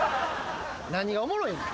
何がおもろいねん。